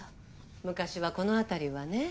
昔はこの辺りはね